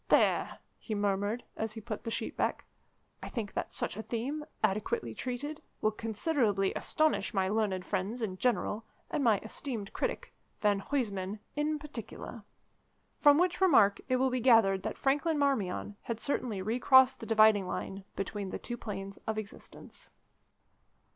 "There," he murmured, as he put the sheet back; "I think that such a theme, adequately treated, will considerably astonish my learned friends in general, and my esteemed critic, Van Huysman, in particular." From which remark it will be gathered that Franklin Marmion had certainly recrossed the dividing line between the two Planes of Existence.